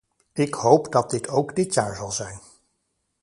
Ik hoop dat dit ook dit jaar zal zijn.